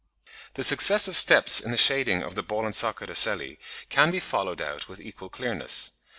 The successive steps in the shading of the ball and socket ocelli can be followed out with equal clearness.